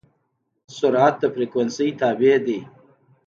سرعت د فریکونسي تابع دی.